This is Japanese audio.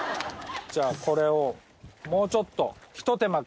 じゃあこれをもうちょっと。